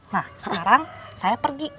nah sekarang saya pergi